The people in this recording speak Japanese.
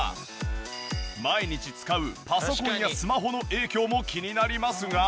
毎日使うパソコンやスマホの影響も気になりますが。